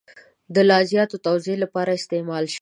د لا زیات توضیح لپاره استعمال شي.